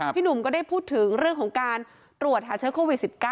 พี่หนุ่มก็ได้พูดถึงเรื่องของการตรวจหาเชื้อโควิด๑๙